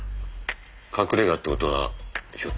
隠れ家って事はひょっとして。